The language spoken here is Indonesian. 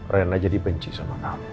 rena jadi benci sama kami